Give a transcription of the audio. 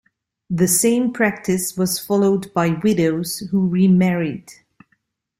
The same practice was followed by widows who remarried.